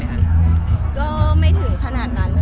แม็กซ์ก็คือหนักที่สุดในชีวิตเลยจริง